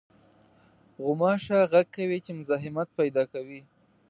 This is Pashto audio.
غوماشه غږ کوي چې مزاحمت پېدا کوي.